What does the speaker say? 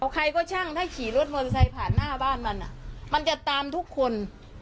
ใครก็ช่างถ้าขี่รถมอเตอร์ไซค์ผ่านหน้าบ้านมันมันจะตามทุกคน